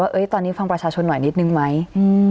เอ้ยตอนนี้ฟังประชาชนหน่อยนิดนึงไหมอืม